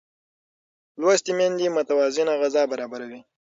لوستې میندې متوازنه غذا برابروي.